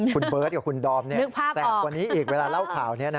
คุณเบิร์ตกับคุณดอมแสบกว่านี้อีกเวลาเล่าข่าวนี้